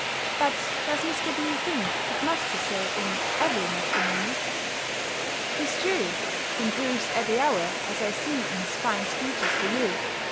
But does Mr. B. think it must be so in every matrimony? 'Tis true, he improves every hour, as I see in his fine speeches to you.